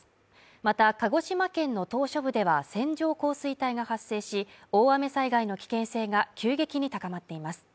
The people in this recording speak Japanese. また鹿児島県の島しょ部では線状降水帯が発生し大雨災害の危険性が急激に高まっています